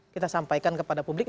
kita sampaikan kepada pemerintah